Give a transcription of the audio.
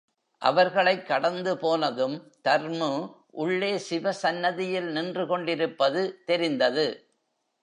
அவர்களைக் கடந்து போனதும், தர்மு உள்ளே சிவ சன்னதியில் நின்று கொண்டிருப்பது தெரிந்தது.